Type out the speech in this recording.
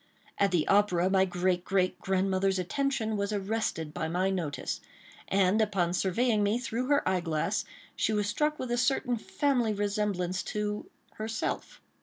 At the opera, my great, great, grandmother's attention was arrested by my notice; and, upon surveying me through her eye glass, she was struck with a certain family resemblance to herself.